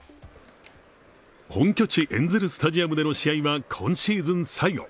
本拠地エンゼル・スタジアムでの試合は今シーズン最後。